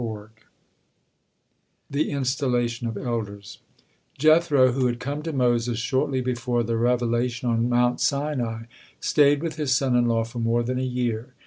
THE INSTALLATION OF ELDERS Jethro, who had come to Moses shortly before the revelation on Mount Sinai, stayed with his son in law for more than a year.